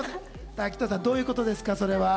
滝藤さん、どういうことですか？